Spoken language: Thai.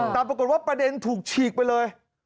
แต่ปรากฏว่าประเด็นถูกฉีกไปเลย